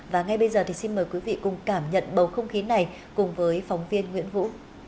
và ngay bây giờ thì xin mời quý vị cùng cảm nhận bầu không khí này cùng với phóng viên nguyễn vũ